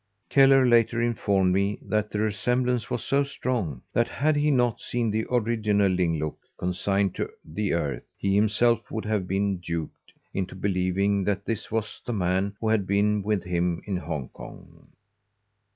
Kellar later informed me that the resemblance was so strong that had he not seen the original Ling Look consigned to the earth, he himself would have been duped into believing that this was the man who had been with him in Hong Kong.